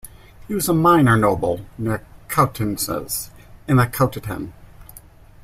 He was a minor noble near Coutances in the Cotentin.